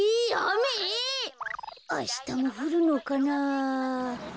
あしたもふるのかな。